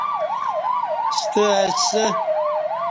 ستہ آئی سہ؟